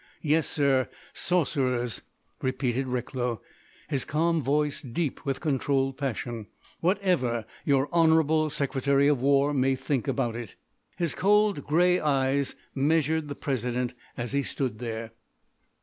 Yes, sir, Sorcerers!" repeated Recklow, his calm voice deep with controlled passion, "—whatever your honourable Secretary of War may think about it!" His cold, grey eyes measured the President as he stood there.